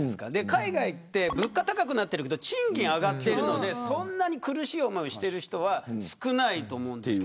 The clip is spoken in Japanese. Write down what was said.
海外は物価が高くなってるけど賃金が上がっているのでそんなに苦しい思いをしている人は少ないと思っています。